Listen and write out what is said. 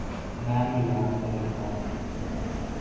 میں میلان میں رہتا ہوں